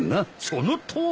そのとおり。